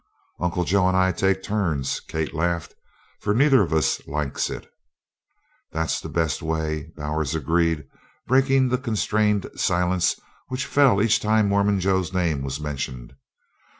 "Uncle Joe and I take turns," Kate laughed, "for neither of us likes it." "That's the best way," Bowers agreed, breaking the constrained silence which fell each time Mormon Joe's name was mentioned.